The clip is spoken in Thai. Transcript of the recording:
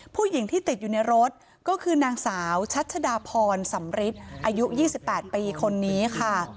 ผู้หญิงที่ติดอยู่ในรถก็คือนางสาวชัชดาพรสำริทอายุ๒๘ปีคนนี้ค่ะ